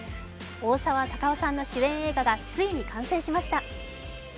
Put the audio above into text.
大沢たかおさんの主演映画がついに完成しました。